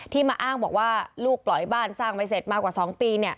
มาอ้างบอกว่าลูกปล่อยบ้านสร้างไม่เสร็จมากว่า๒ปี